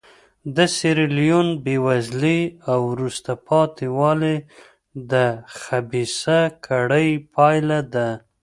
د سیریلیون بېوزلي او وروسته پاتې والی د خبیثه کړۍ پایله ده.